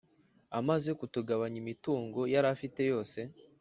amaze kutugabanya imitungo yari afite yose,